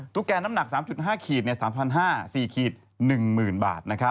ตุ๊กแกนน้ำหนัก๓๕๓๕๐๐บาท๔๑๐๐๐๐บาท